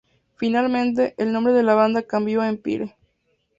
Finalmente, el nombre de la banda cambió a "Empire".